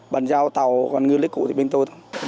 bàn giao tàu còn ngư lưới cụ thì bên tôi thôi